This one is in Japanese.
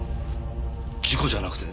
事故じゃなくて？